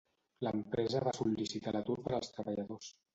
L'empresa va sol·licitar l'atur per als treballadors.